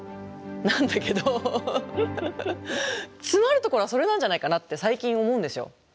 なんだけどつまるところはそれなんじゃないかなって最近思うんですよ。